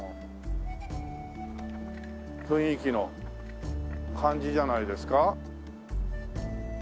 雰囲気の感じじゃないですか。